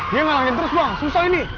jangan aja terus bang susah ini